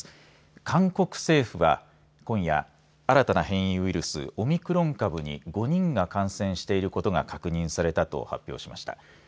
韓国政府は今夜、新たな変異ウイルスオミクロン株に５人が感染していることが確認されたと発表しました。